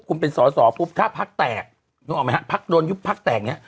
คุณเป็นสอสอปุ๊บถ้าพักแตกนึกออกไหมฮะพักโดนยุบพักแตกเนี่ย